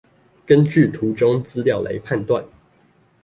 根據圖中資料來判斷